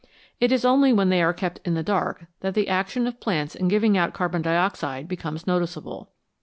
It is only when they are kept in the dark that the action of plants in giving out carbon dioxide becomes noticeable.